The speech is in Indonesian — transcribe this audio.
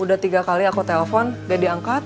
udah tiga kali aku telpon dia diangkat